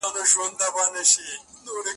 د ښکلیو نجونو شاپېریو وطن.!